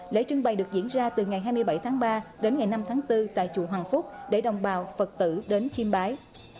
lễ trưng bày được diễn ra từ ngày hai mươi bảy tháng ba đến ngày năm tháng bốn tại chùa hoàng phúc để đồng bào phật tử đến chiêm bái